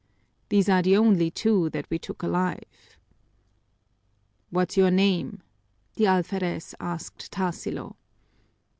These are the only two that we took alive." "What's your name?" the alferez asked Tarsilo.